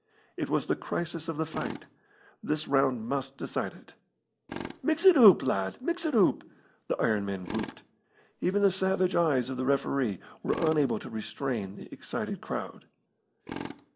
It was the crisis of the fight. This round must decide it. "Mix it oop, lad! Mix it oop!" the iron men whooped. Even the savage eyes of the referee were unable to restrain the excited crowd.